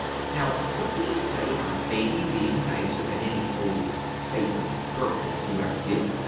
Now what do you say about Baby being nicer than any old 'Face of a Girl' that you ever did?"